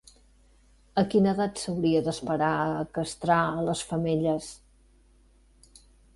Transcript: A quina edat s'hauria d'esperar a castrar a les femelles?